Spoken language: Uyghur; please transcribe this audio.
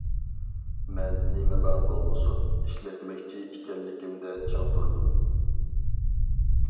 مەن نېمىلا بولمىسۇن ئىشلەتمەكچى ئىكەنلىكىمدە چىڭ تۇردۇم.